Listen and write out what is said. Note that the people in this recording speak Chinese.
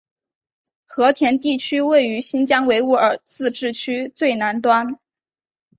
和田地区位于新疆维吾尔自治区最南端。